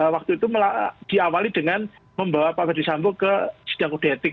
waktu itu diawali dengan membawa pak zajuli sambo ke sidang kudetik